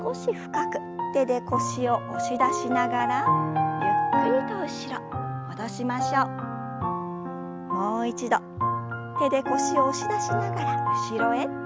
手で腰を押し出しながら後ろへ。